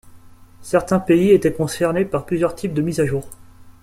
Certains pays étaient concernés par plusieurs types de mise à jour.